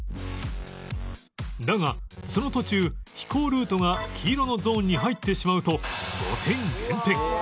だがその途中飛行ルートが黄色のゾーンに入ってしまうと５点減点